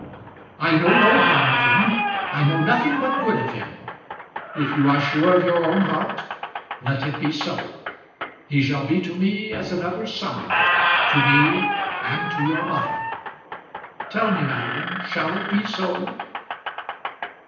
"I know no harm of him. I know nothing but good of him. If you are sure of your own heart, let it be so. He shall be to me as another son, to me and to your mother. Tell me, Madeline, shall it be so?"